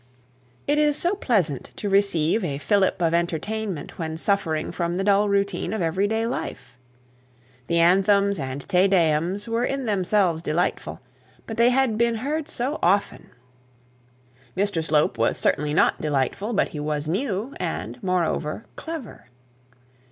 It is so pleasant to receive a fillip of excitement when suffering from the dull routine of everyday life! The anthems and Te Deums were in themselves delightful, but they had been heard so often! Mr Slope was certainly not delightful, but he was new, and, moreover, clever.